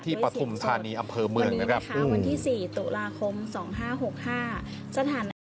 ที่ปฐุมธานีอำเภอเมืองนะครับวันนี้นะคะวันที่สี่ตุลาคมสองห้าหกห้า